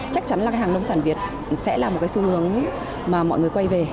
chắc chắn là hàng lông sản việt sẽ là một cái xu hướng mà mọi người quay về